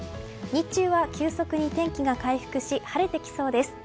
日中は急速に天気が回復し晴れてきそうです。